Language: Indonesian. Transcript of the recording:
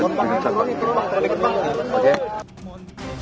saya berterima kasih saudara saudara